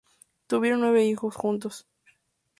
Tuvieron nueve hijos juntos.